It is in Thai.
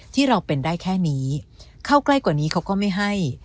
ที่เราเป็นได้แค่นี้เข้าใกล้กว่านี้เขาก็ไม่ให้